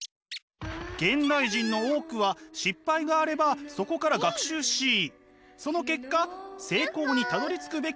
現代人の多くは失敗があればそこから学習しその結果成功にたどりつくべきだと考えています。